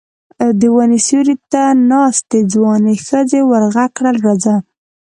د وني سيوري ته ناستې ځوانې ښځې ور غږ کړل: راځه!